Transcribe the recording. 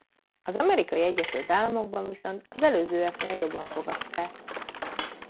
Az Amerikai Egyesült Államokban viszont az előzőeknél jobban fogadták.